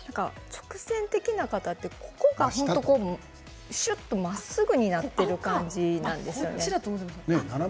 直線的な方というのはほおのところがまっすぐになっている感じなんですよね。